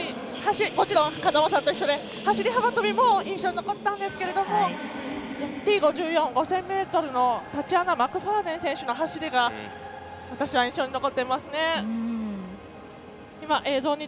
もちろん風間さんと一緒で走り幅跳びも印象に残ったんですがＴ５４、５０００ｍのタチアナ・マクファーデン選手の走りが印象に残っています。